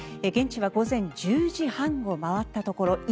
現地は午前１０時半を回ったところ。